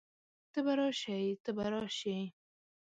ته به راشئ، ته به راشې